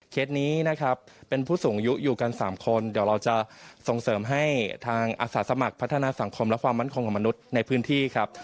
นี้นะครับเป็นผู้สูงอายุอยู่กัน๓คนเดี๋ยวเราจะส่งเสริมให้ทางอาสาสมัครพัฒนาสังคมและความมั่นคงของมนุษย์ในพื้นที่ครับ